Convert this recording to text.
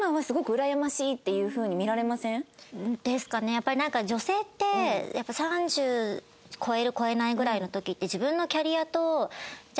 やっぱり女性って３０超える超えないぐらいの時って。